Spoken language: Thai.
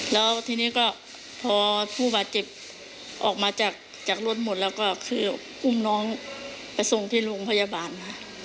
แล้วทีนี้ก็พอผู้บาดเจ็บออกมาจากรถหมดแล้วก็คืออุ้มน้องไปส่งที่โรงพยาบาลค่ะ